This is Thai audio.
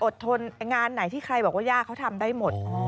ทนงานไหนที่ใครบอกว่าย่าเขาทำได้หมด